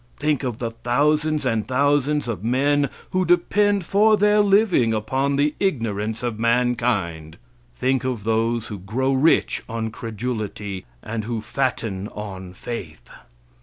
Think of the thousands and thousands of men who depend for their living upon the ignorance of mankind! Think of those who grow rich on credulity and who fatten on faith!